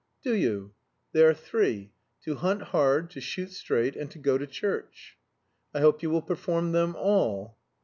"Do you? They are three. To hunt hard; to shoot straight; and to go to church." "I hope you will perform them all."